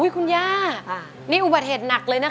คุณย่านี่อุบัติเหตุหนักเลยนะ